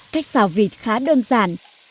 cách xào vịt khá đơn giản